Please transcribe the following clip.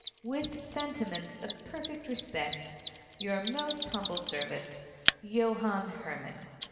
With sentiments of perfect respect, Your most humble servant, JOHANN HERMAN.